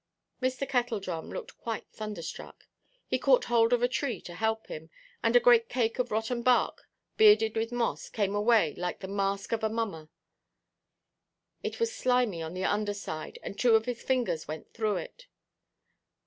Mr. Kettledrum looked quite thunderstruck; he caught hold of a tree to help him, and a great cake of rotten bark, bearded with moss, came away like the mask of a mummer. It was slimy on the under side, and two of his fingers went through it.